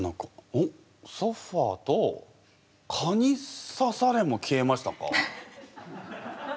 おっ「ソファー」と「蚊にさされ」も消えましたか？